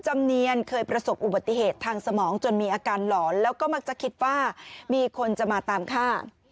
มีอาการหลอนแล้วก็มักจะคิดว่ามีคนจะมาตามฆ่า